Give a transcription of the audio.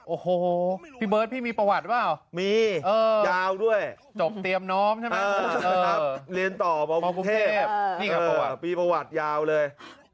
โอ้โหพี่เบิร์ตพี่มีประวัติป่าวมียาวด้วยจบเตรียมน้อมใช่ไหมเรียนต่อบางคุณเทพปีประวัติยาวเลย